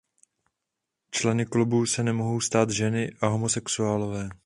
Členy klubu se nemohou stát ženy a homosexuálové.